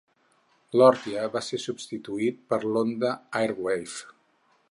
L'Orthia va ser substituït per l'Honda Airwave.